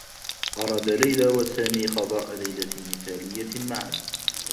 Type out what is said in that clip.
أرادا ليلى و سامي قضاء ليلة مثاليّة معا.